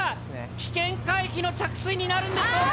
危険回避の着水になるんでしょうか。